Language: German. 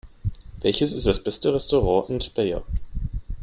Welches ist das beste Restaurant in Speyer?